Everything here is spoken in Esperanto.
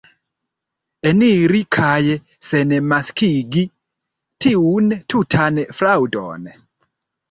Eniri kaj senmaskigi tiun tutan fraŭdon?